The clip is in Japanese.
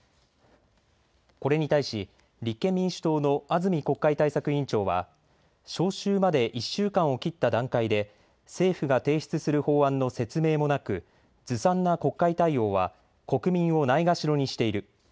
これに対し立憲民主党の安住国会対策委員長は召集まで１週間を切った段階で政府が提出する法案の説明もなくずさんな国会対応は国民をないがしろにしている。